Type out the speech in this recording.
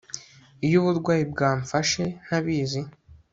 iyo uburwayi bwamfashe ntabizi